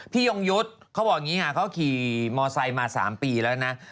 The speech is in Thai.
พี่ยองด์ยุทธ์เขาบอกอย่างงี้นะเขาขี่มอเตอร์ไซค์มา๓ปีแล้วนะ